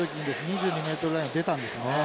２２メートルラインを出たんですね。